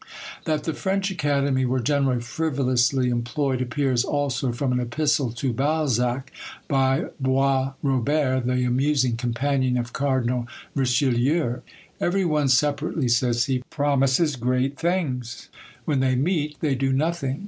That the French Academy were generally frivolously employed appears also from an epistle to Balzac, by Boisrobert, the amusing companion of Cardinal Richelieu. "Every one separately," says he, "promises great things; when they meet they do nothing.